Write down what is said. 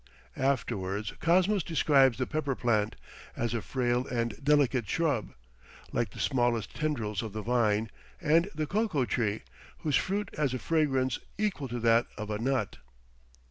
Afterwards, Cosmos describes the pepper plant, as a frail and delicate shrub, like the smallest tendrils of the vine, and the cocoa tree, whose fruit has a fragrance "equal to that of a nut."